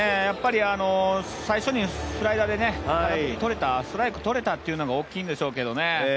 最初にスライダーで空振り、ストライクを取れたというのが大きいんでしょうけどね。